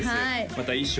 また衣装